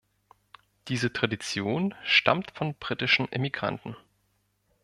Diese Tradition stammt von britischen Immigranten.